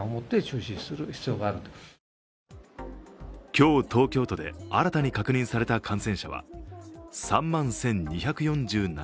今日、東京都で新たに確認された感染者は３万１２４７人。